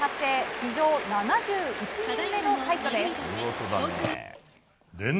史上７１人目の快挙です！